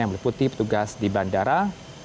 yang meliputi petugas di bandara